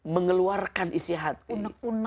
mengeluarkan isi hati